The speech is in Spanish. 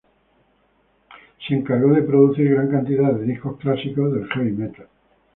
Se encargó de producir gran cantidad de discos clásicos del heavy metal.